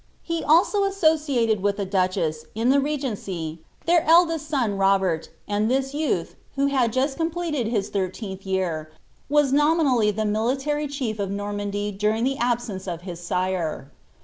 He also associated with the duchess, in the regency, ihrir eldest Bon, Robert, and this youth, who had just completed hie tliirteenih year, was nominally the military chief of Normandy during the abaetue of his sire.